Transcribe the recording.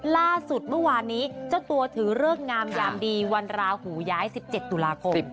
ล่าสุดเมื่อวานนี้เจ้าตัวถือเลิกงามยามดีวันราหูย้าย๑๗ตุลาคม